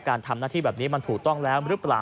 การทำหน้าที่แบบนี้มันถูกต้องแล้วหรือเปล่า